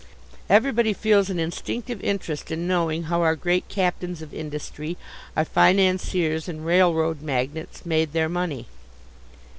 Everybody feels an instinctive interest in knowing how our great captains of industry, our financiers and railroad magnates made their money.